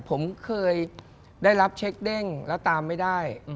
ผมเคยได้รับเช็คเด้งแล้วตามไม่ได้